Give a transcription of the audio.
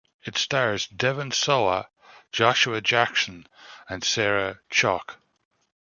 It stars Devon Sawa, Joshua Jackson and Sarah Chalke.